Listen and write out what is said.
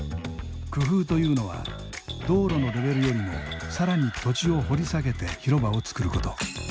工夫というのは道路のレベルよりも更に土地を掘り下げて広場を作ること。